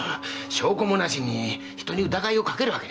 証拠もなしに人に疑いをかけるわけには。